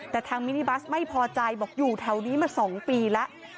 แต่ทางมินิบัสไม่พอใจบอกอยู่แถวนี้มา๒ปีแล้ว